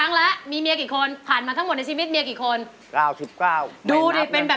ต้องแต่งงานก่อนหรือสมองไม่ปรอง